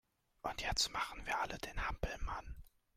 Und jetzt machen wir alle den Hampelmann